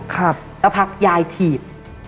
แล้วพักยายถีบ